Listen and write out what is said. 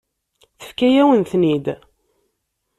Tefka-yawen-ten-id.